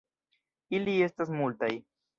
Ili estas multaj.